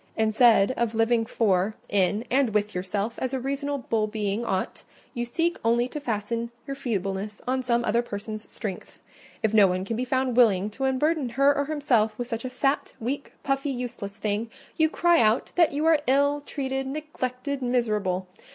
Instead of living for, in, and with yourself, as a reasonable being ought, you seek only to fasten your feebleness on some other person's strength: if no one can be found willing to burden her or himself with such a fat, weak, puffy, useless thing, you cry out that you are ill treated, neglected, miserable.